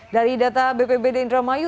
dari data bpbd indramayu